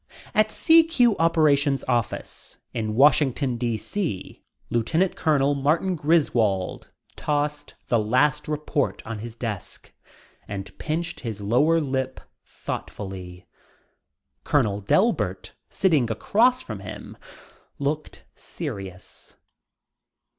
At CQ operations office, in Washington D.C., Lt. Colonel Martin Griswold tossed the last report on his desk and pinched his lower lip thoughtfully. Colonel Delbert, sitting across from him, looked serious.